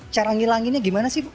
cara menghilanginya bagaimana ibu